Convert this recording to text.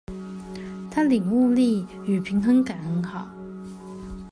他領悟力與平衡感很好